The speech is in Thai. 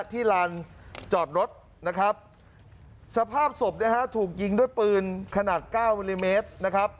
ที่ลานจอดรถนะครับสภาพศพนะฮะถูกยิงด้วยปืนขนาดเก้ามิลลิเมตรนะครับ